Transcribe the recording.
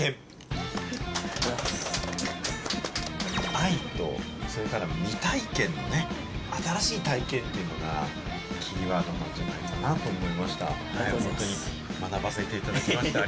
愛と未体験のね、新しい体験というのがキーワードなんじゃないかなと思いました。